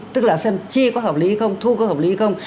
tức là chi có hợp lý không thu có hợp lý không